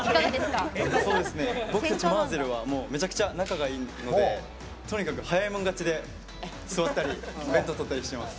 僕たちＭＡＺＺＥＬはめちゃくちゃ仲がいいのでとにかく早い者勝ちで座ったり弁当取ったりしてます。